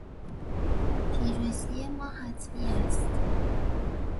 پیروزی ما حتمی است.